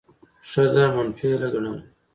ښځه منفعله ګڼله،